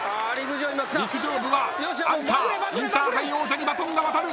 陸上部はアンカーインターハイ王者にバトンが渡る。